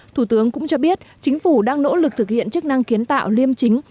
thủ tướng cũng cho biết chính phủ đang nỗ lực thực hiện chức năng kiến tạo liêm chính